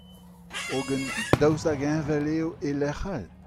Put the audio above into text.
Hogen daoust hag heñvel eo e lecʼh all ?